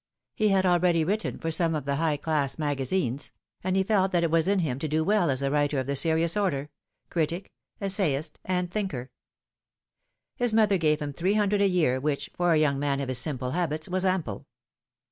He had already written for some of the high class magazines ; and he felt that it was in him to do well as a writer of the serious order critic, essayist, and thinker. His mother gave him three hundred a year, which, for a young man of his simple habits, was ample.